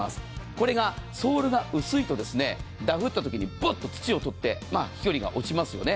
これがソールが薄いとダフったときに、ぼっと土を取って飛距離が落ちますよね。